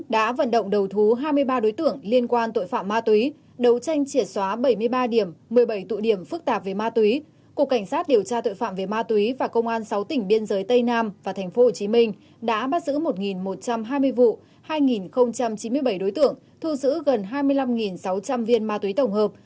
đã bắt giữ một một trăm hai mươi vụ hai chín mươi bảy đối tưởng thu giữ gần hai mươi năm sáu trăm linh viên ma túy tổng hợp